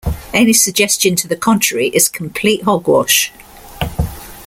Any suggestion to the contrary is complete hogwash.